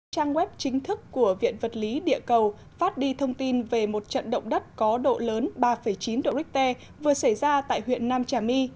trang web chính thức của viện vật lý địa cầu phát đi thông tin về một trận động đất có độ lớn ba chín độ richter vừa xảy ra tại huyện nam trà my